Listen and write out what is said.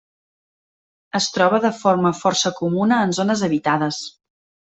Es troba de forma força comuna en zones habitades.